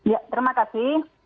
ya terima kasih